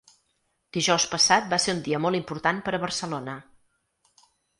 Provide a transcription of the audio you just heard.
Dijous passat va ser un dia molt important per a Barcelona.